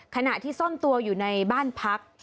ขณะที่ซ่อนตัวอยู่ในบ้านพัก